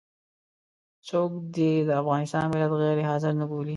څوک دې د افغانستان ملت غير حاضر نه بولي.